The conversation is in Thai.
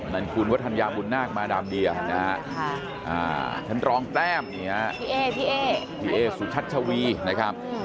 นั่นคุณวัตถัญาบุณนากมาดามเดียทันรองแต้มทีเอสุชัชวีนะครับ